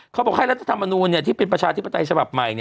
เขาบอกให้รัฐธรรมนูลที่เป็นประชาธิปไตยฉบับใหม่